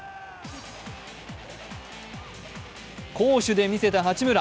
攻守で見せた八村。